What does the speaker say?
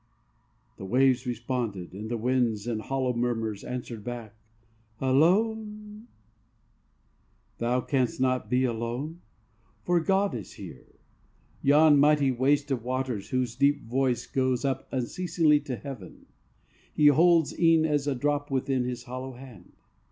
the waves responded, and the winds In hollow murmurs answered back "Alone?" "Thou canst not be alone, for God is here! Yon mighty waste of waters, whose deep voice Goes up unceasingly to heaven, He holds E'en as a drop within His hollow hand!